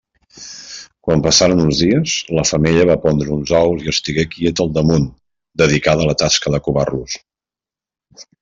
Quan passaren uns dies, la femella va pondre uns ous i estigué quieta al damunt, dedicada a la tasca de covar-los.